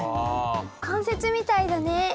関節みたいだね。